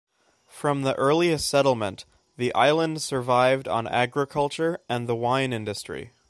From the earliest settlement, the island survived on agriculture and the wine industry.